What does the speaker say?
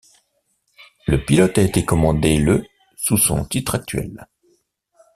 Le pilote a été commandé le sous son titre actuel.